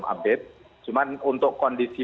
update cuman untuk kondisi